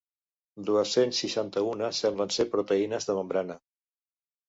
Dues-cents setanta-una semblen ser proteïnes de membrana.